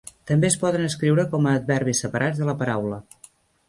També es poden escriure com a adverbis separats de la paraula.